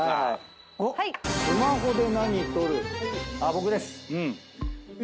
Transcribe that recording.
僕です。